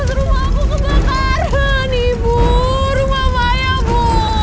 mas rumah aku kebakaran ibu rumah maya bu